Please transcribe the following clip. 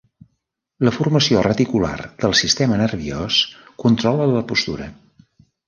La formació reticular del sistema nerviós controla la postura.